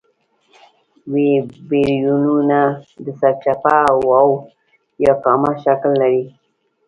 ویبریونونه د سرچپه واو یا کامي شکل لري.